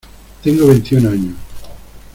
Tengo veintiún años.